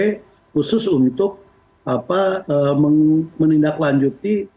khusus untuk menindaklanjuti